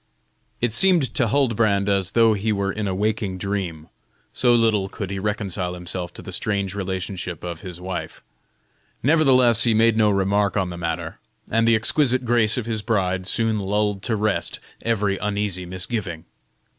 It seemed to Huldbrand as though he were in a waking dream, so little could he reconcile himself to the strange relationship of his wife. Nevertheless he made no remark on the matter, and the exquisite grace of his bride soon lulled to rest every uneasy misgiving.